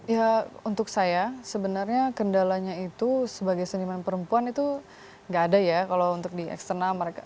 ya untuk saya sebenarnya kendalanya itu sebagai seniman perempuan itu gak ada ya kalau untuk di eksternal mereka